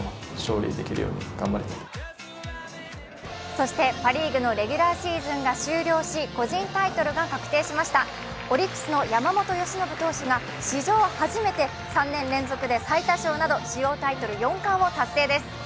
そしてパ・リーグのレギュラーシーズンが終了し個人タイトルが確定しましたオリックスの山本由伸投手が史上初めて３年連続で最多勝など主要タイトル４冠を達成です。